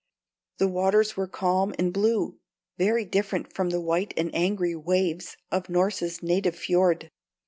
The waters were calm and blue, very different from the white and angry waves of Norss's native fiord.